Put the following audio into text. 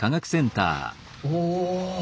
おお！